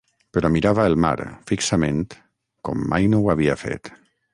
Però mirava el mar, fixament, com mai no ho havia fet.